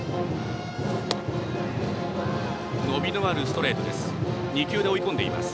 伸びのあるストレートです。